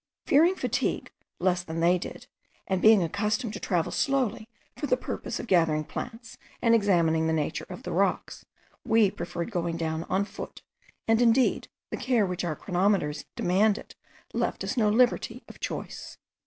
Fearing fatigue less than they did, and being accustomed to travel slowly for the purpose of gathering plants and examining the nature of the rocks, we preferred going down on foot; and, indeed, the care which our chronometers demanded, left us no liberty of choice.